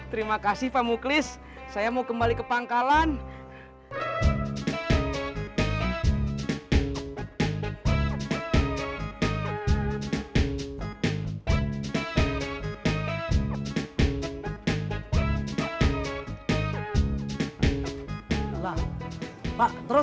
ekipen disuruh ukur satu box karan depicted atas polyester